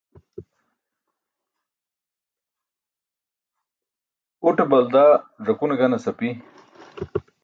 Uṭe balda ẓakune ganas api.